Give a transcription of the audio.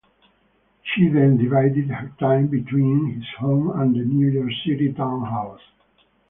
She then divided her time between this home and the New York City townhouse.